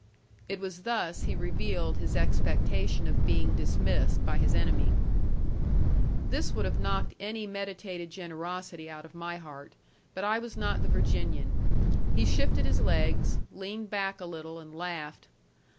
It was thus he revealed his expectation of being dismissed by his enemy. This would have knocked any meditated generosity out of my heart. But I was not the Virginian. He shifted his legs, leaned back a little, and laughed.